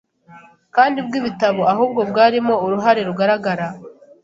kandi bwibitabo ahubwo bwarimo uruhare rugaragara